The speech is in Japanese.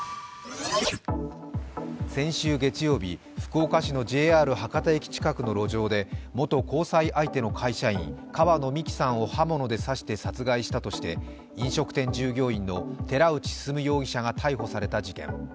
先週月曜日、福岡市のＪＲ博多駅近くの路上で元交際相手の会社員川野美樹さんを刃物で刺して殺害したとして飲食店従業員の寺内進容疑者が逮捕された事件。